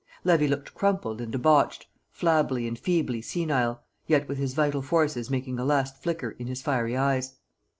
Levy looked crumpled and debauched, flabbily and feebly senile, yet with his vital forces making a last flicker in his fiery eyes.